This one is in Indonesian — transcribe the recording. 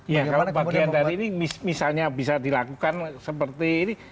ya kalau bagian dari ini misalnya bisa dilakukan seperti ini